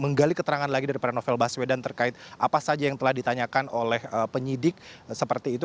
menggali keterangan lagi daripada novel baswedan terkait apa saja yang telah ditanyakan oleh penyidik seperti itu